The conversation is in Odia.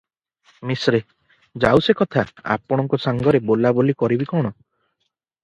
ମିଶ୍ରେ- ଯାଉ ସେ କଥା, ଆପଣଙ୍କ ସାଙ୍ଗରେ ବୋଲାବୋଲି କରିବି କଣ?